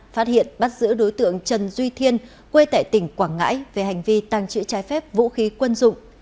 phát hiện bắt giữ đối tượng trần duy thiên quê tại tỉnh quảng ngãi về hành vi tăng trữ trái phép vũ khí quân dụng